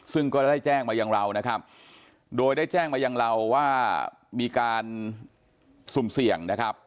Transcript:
ซึ่งก็ได้แจ้งมาอย่างเรานะครับโดยได้แจ้งมายังเราว่ามีการสุ่มเสี่ยงนะครับ